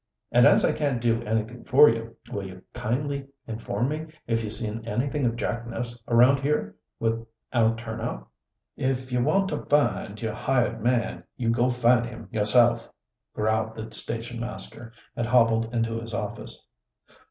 And as I can't do anything for you, will you kindly inform me if you've seen anything of Jack Ness around here, with our turnout?" "If you want your hired man you go find him yourself," growled the station master, and hobbled into his office.